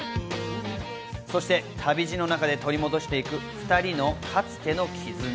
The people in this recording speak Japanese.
そして旅路の中で取り戻していく２人のかつての絆。